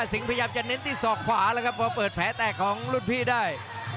สิงห์พยายามจะเน้นที่ศอกขวาแล้วครับพอเปิดแผลแตกของรุ่นพี่ได้